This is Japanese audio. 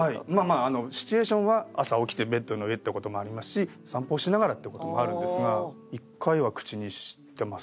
まあシチュエーションは朝起きてベッドの上って事もありますし散歩しながらって事もあるんですが１回は口にしてます。